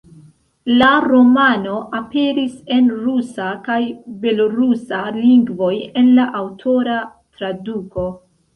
La romano aperis en rusa kaj belorusa lingvoj en la aŭtora traduko.